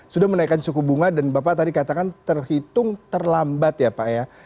sudah menaikkan suku bunga dan bapak tadi katakan terhitung terlambat ya pak ya